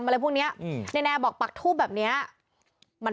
ทั้งหลวงผู้ลิ้น